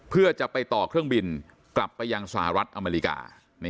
เพื่อจะไปต่อเครื่องบินกลับไปยังสหรัฐอเมริกา